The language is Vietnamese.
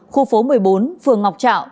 khu phố một mươi bốn phường ngọc trạo